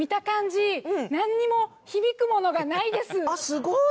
すごーい。